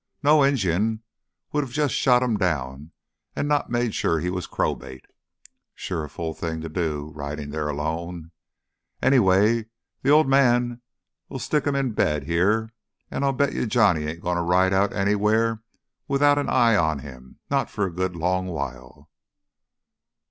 No Injun would have jus' shot him down an' not made sure he was crow bait. Sure a fool thing to do, ridin' there alone. Anyway, th' Old Man'll stick him into bed here, an' I'll bet you Johnny ain't gonna ride out anywhere without an eye on him—not for a good long while."